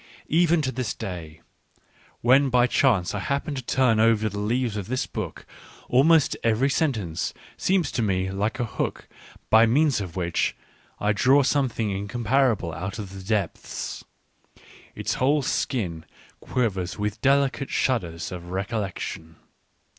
Even to this day, when by chance I happen to turn over the leaves of this book, almost every sentence seems to me like a hook by means of which I draw something incomparable out of the depths ; its whole skin quivers with delicate shudders of recollection.